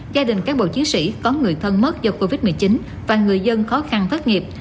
gia đình cán bộ chiến sĩ có người thân mất do covid một mươi chín và người dân khó khăn vất nghiệp